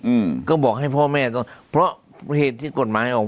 อืมก็บอกให้พ่อแม่ต้องเพราะเหตุที่กฎหมายออก